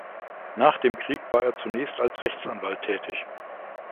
Nach dem Krieg war zunächst als Rechtsanwalt tätig.